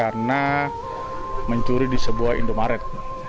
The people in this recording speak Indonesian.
karena mencuri di sebuah indomaret